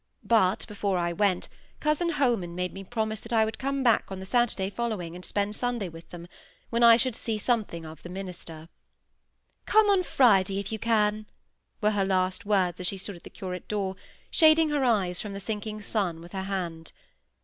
But before I went, cousin Holman made me promise that I would come back on the Saturday following and spend Sunday with them; when I should see something of "the minister". "Come on Friday, if you can," were her last words as she stood at the curate door, shading her eyes from the sinking sun with her hand.